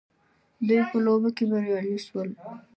دوی په لوبه کي بريالي سول